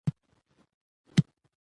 کله چې ورسېدل